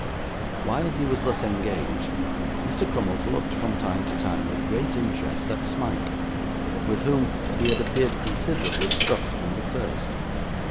While he was thus engaged, Mr. Crummles looked, from time to time, with great interest at Smike, with whom he had appeared considerably struck from the first.